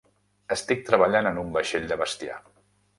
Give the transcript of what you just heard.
Estic treballant en un vaixell de bestiar.